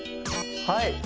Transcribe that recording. はい